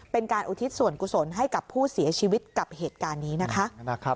เป็นการอุทิศสวรรคุสลให้กับผู้เสียชีวิตกับเหตุการณ์นี้นะคะ